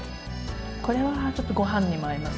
これはちょっとごはんにも合いますね。